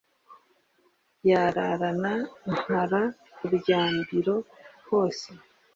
yararana nkara iryambiro hose